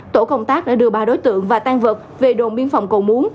tổ công tác đã đưa ba đối tượng và tan vật về đồn biên phòng cầu muốn